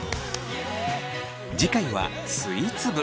次回はスイーツ部。